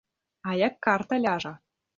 А як карта ляжа!